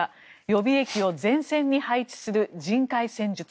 予備役を前線に配置する人海戦術。